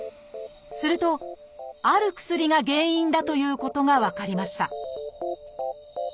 するとある薬が原因だということが分かりました